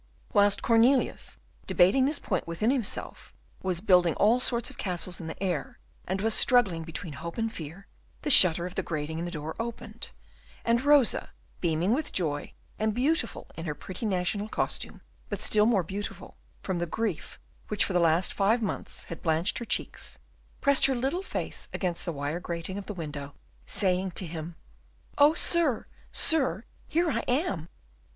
Whilst Cornelius, debating this point within himself, was building all sorts of castles in the air, and was struggling between hope and fear, the shutter of the grating in the door opened, and Rosa, beaming with joy, and beautiful in her pretty national costume but still more beautiful from the grief which for the last five months had blanched her cheeks pressed her little face against the wire grating of the window, saying to him, "Oh, sir, sir! here I am!"